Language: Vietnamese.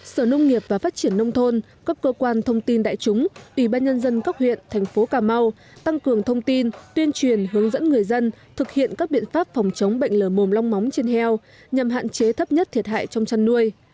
sở nông nghiệp và phát triển nông thôn các cơ quan thông tin đại chúng ủy ban nhân dân các huyện thành phố cà mau tăng cường thông tin tuyên truyền hướng dẫn người dân thực hiện các biện pháp phòng chống bệnh lở mồm long móng trên heo nhằm hạn chế thấp nhất thiệt hại trong chăn nuôi